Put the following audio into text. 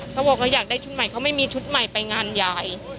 เขาบอกเขาอยากได้ชุดใหม่เขาไม่มีชุดใหม่ไปงานยาย